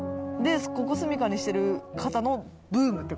ここをすみかにしてる方のブームって事？